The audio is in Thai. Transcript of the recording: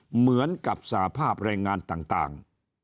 เหมือนกับสภาพแรงงานต่าง